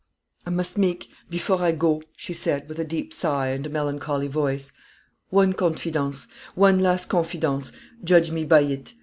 "I must make, before I go," she said, with a deep sigh and a melancholy voice, "one confidence one last confidence: judge me by it.